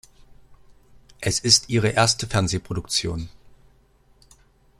Es ist ihre erste Fernsehproduktion.